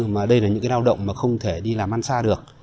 mà đây là những cái lao động mà không thể đi làm ăn xa được